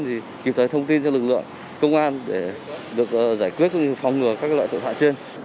thì kịp thấy thông tin cho lực lượng công an để được giải quyết cũng như phòng ngừa các loại tội phạm trên